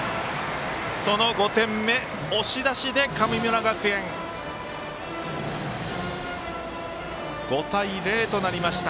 その５点目、押し出しで神村学園５対０となりました。